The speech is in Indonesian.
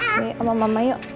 sini sama mama yuk